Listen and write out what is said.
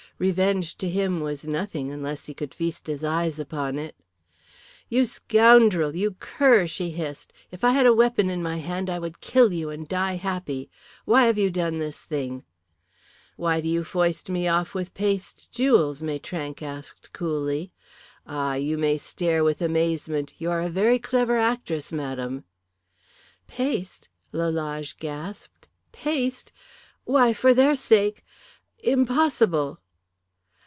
Revenge to him was nothing unless he could feast his eyes upon it. "You scoundrel, you cur!" she hissed. "If I had a weapon in my hand, I would kill you and die happy. Why have you done this thing?" "Why do you foist me off with paste jewels?" Maitrank asked, coolly. "Ah you may stare with amazement! You are a very clever actress, madam." "Paste?" Lalage gasped. "Paste! Why for their sake impossible!"